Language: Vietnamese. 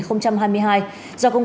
không đạt tiêu chuẩn chất lượng